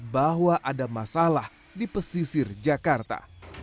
bahwa ada masalah di pesisir jakarta